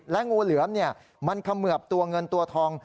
งูเหลือมมันเขมือบตัวเงินตัวทอง